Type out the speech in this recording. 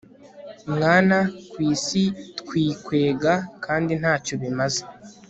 Mwana kwisi twikwega kandi ntacyo bimaze